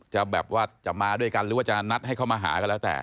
จะแบบว่าจะมาด้วยกันหรือว่าจะนัดให้เขามาหาก็แล้วแต่